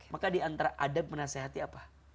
maka diantara adab menasehati apa